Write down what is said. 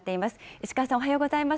石川さん、おはようございます。